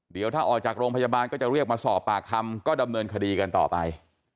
เดี๋ยวถ้าออกจากโรงพยาบาลก็จะเรียกมาสอบปากคำก็ดำเนินคดีกันต่อไป